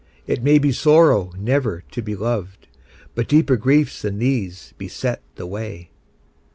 It may be sorrow never to be loved, But deeper griefs than these beset the way.